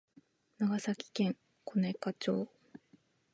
長崎県小値賀町